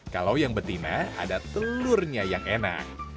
kalau yang betina ada telurnya yang enak